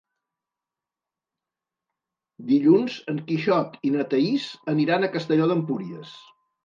Dilluns en Quixot i na Thaís aniran a Castelló d'Empúries.